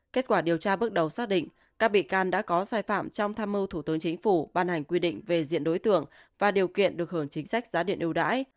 kết quả điều tra bước đầu xác định các bị can đã có sai phạm trong tham mưu thủ tướng chính phủ ban hành quy định về diện đối tượng và điều kiện được hưởng chính sách giá điện ưu đãi